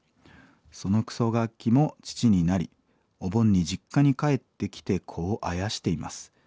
そのクソガキも父になりお盆に実家に帰ってきて子をあやしています。